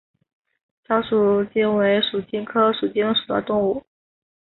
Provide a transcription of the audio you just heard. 小鼩鼱为鼩鼱科鼩鼱属的动物。